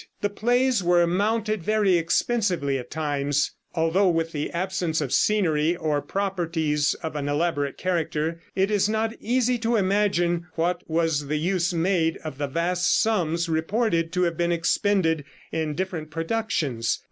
The plays were mounted very expensively at times, although with the absence of scenery or properties of an elaborate character it is not easy to imagine what was the use made of the vast sums reported to have been expended in different productions.